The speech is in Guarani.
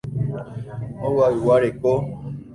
Ogaygua reko.